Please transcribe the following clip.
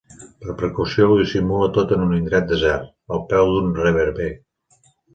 Per precaució, ho dissimula tot en un indret desert, al peu d'un reverber.